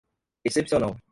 excepcional